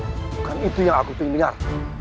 bukan itu yang aku dengar